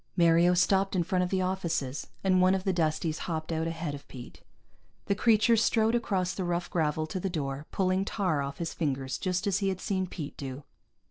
Mario stopped in front of the offices, and one of the Dusties hopped out ahead of Pete. The creature strode across the rough gravel to the door, pulling tar off his fingers just as he had seen Pete do.